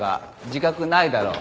自覚ないだろ。